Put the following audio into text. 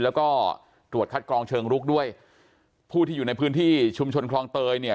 แล้วก็ตรวจคัดกรองเชิงรุกด้วยผู้ที่อยู่ในพื้นที่ชุมชนคลองเตยเนี่ย